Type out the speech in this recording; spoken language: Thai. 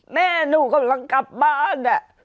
แม่หนูกำลังกลับบ้าน